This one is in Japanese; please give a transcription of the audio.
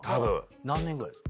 何年ぐらいですか？